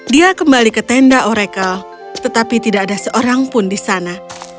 dia kembali ke tenda oracle tetapi tidak ada seorang pun di sana